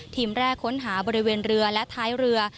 แรกค้นหาบริเวณเรือและท้ายเรือ